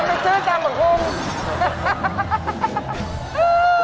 มันจะซื้อจังหวังคุ้ม